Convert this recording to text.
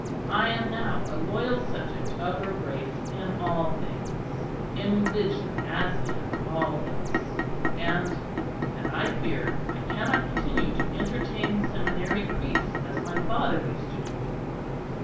I am now a loyal subject of her Grace in all things; in religion as in all else. And and I fear I cannot continue to entertain seminary priests as my father used to do.